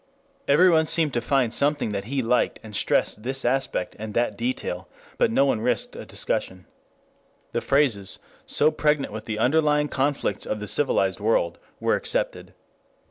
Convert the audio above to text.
Everyone seemed to find something that he liked and stressed this aspect and that detail. But no one risked a discussion. The phrases, so pregnant with the underlying conflicts of the civilized world, were accepted.